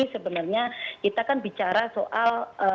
sebenarnya kita kan bicara soal